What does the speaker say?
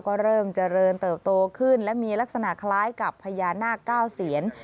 ก็เริ่มเจริญเติบโตขึ้นและมีลักษณะคล้ายกับพญานาคเก้าเซียน